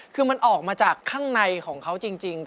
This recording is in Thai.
คือมันออกมาจากข้างในของเขาจริง